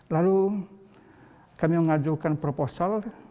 lalu kami mengajukan proposal